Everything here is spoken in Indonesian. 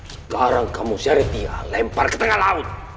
sekarang kamu seretia lempar ke tengah laut